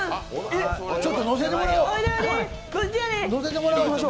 ちょっと乗せてもらおう。